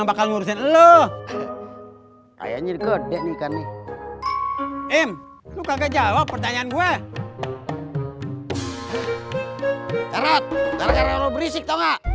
gak ada gak ada berisik tau gak